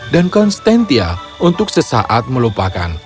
dan konstantia untuk sesaat melupakan